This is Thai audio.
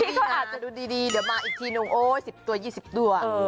อาจจะดูดีเดี๋ยวมาอีกทีนึงโอ๊ย๑๐ตัว๒๐ตัว